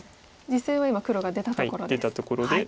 実戦は今黒が出たところです。